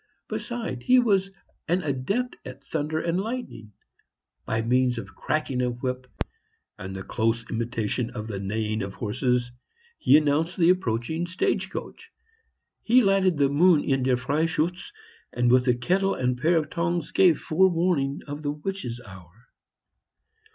Besides, he was an adept at thunder and lightning; by means of cracking a whip and the close imitation of the neighing of horses, he announced the approaching stage coach; he lighted the moon in "Der Freischutz;" and with a kettle and pair of tongs gave forewarning of the witches' hour.